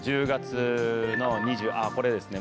あっこれですね。